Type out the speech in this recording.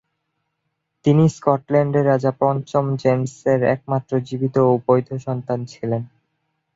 তিনি স্কটল্যান্ডের রাজা পঞ্চম জেমস এর একমাত্র জীবিত ও বৈধ সন্তান ছিলেন।